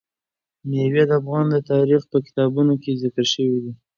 مېوې د افغان تاریخ په کتابونو کې ذکر شوی دي.